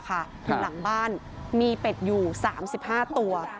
หลังบ้านมีเป็ดอยู่๓๕ตัว